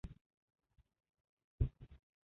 Bu unga qarab to’ymasdim.